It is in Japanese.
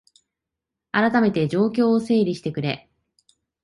あらためて状況を整理してくれ